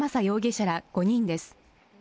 容疑者ら５人です。